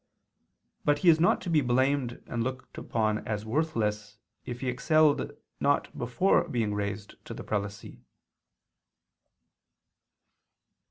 But he is not to be blamed and looked upon as worthless if he excelled not before being raised to the prelacy.